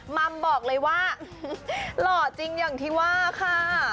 มัมบอกเลยว่าหล่อจริงอย่างที่ว่าค่ะ